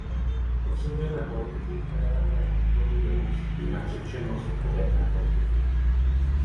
Potřebujeme politiky, které také podporují růst, jinak řečeno, zodpovědné politiky.